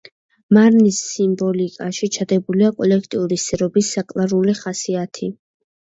მარნის სიმბოლიკაში ჩადებულია კოლექტიური სერობის საკრალური ხასიათი.